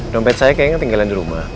dompet saya kayaknya ketinggalan di rumah